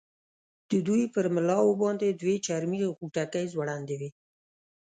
د دوی پر ملاو باندې دوې چرمي غوټکۍ ځوړندې وې.